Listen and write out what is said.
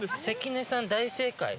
関根さん、大正解。